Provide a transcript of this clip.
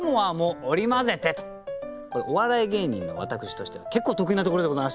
お笑い芸人の私としては結構得意なところでございまして。